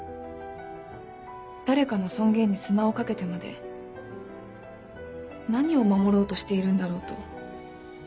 誰かの尊厳に砂をかけてまで何を守ろうとしているんだろうと。